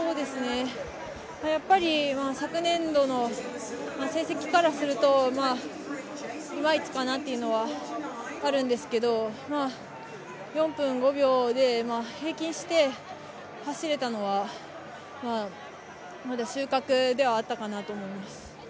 昨年度の成績からするといまいちかなというのはあるんですけど、４分５秒で平均して走れたのは、収穫ではあったかなと思います。